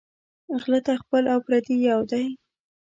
غله ته خپل او پردي یو دى